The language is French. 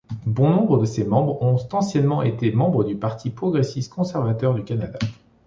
Bon nombre de ses membres ont anciennement été membres du Parti progressiste-conservateur du Canada.